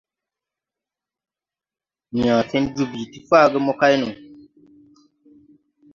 Yãã fen joo bìi ti faage mo kay no.